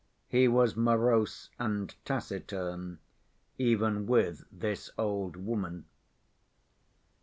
He was morose and taciturn even with this old woman.